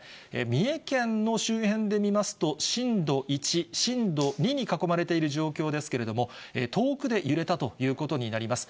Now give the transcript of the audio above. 三重県の周辺で見ますと、震度１、震度２に囲まれている状況ですけれども、遠くで揺れたということになります。